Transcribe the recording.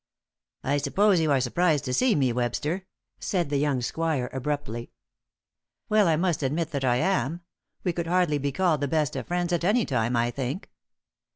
"I suppose you are surprised to see me, Webster?" said the young squire abruptly. "Well, I must admit that I am. We could hardly be called the best of friends at any time, I think."